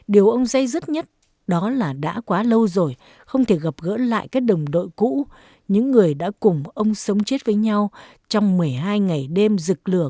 điều ông dây dứt nhất đó là đã quá lâu rồi không thể gặp gỡ lại các đồng đội cũ những người đã cùng ông sống chết với nhau trong một mươi hai ngày đêm rực lửa